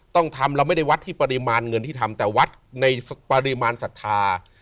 ต้องทำเราไม่ได้วัดที่ปริมาณเงินที่ทำแต่วัดในปริมาณศรัทธา